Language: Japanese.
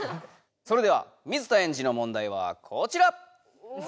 それでは水田エンジの問題はコチラ！